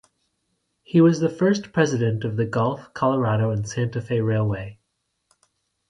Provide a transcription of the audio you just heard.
He was the first president of the Gulf, Colorado and Santa Fe Railway.